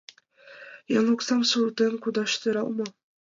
— Еҥ оксам шылтен кодаш сӧрал мо?